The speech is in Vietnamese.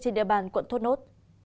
trên địa bàn quận thốt nốt